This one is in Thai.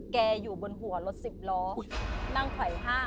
อยู่บนหัวรถสิบล้อนั่งถอยห้าง